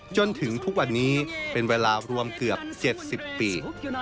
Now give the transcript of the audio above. จนถึงทุกวันนี้เป็นเวลารวมเกือบ๗๐ปี